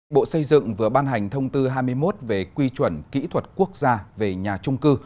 bộ xây dựng vừa ban hành thông tư hai mươi một về quy chuẩn kỹ thuật quốc gia về nhà trung cư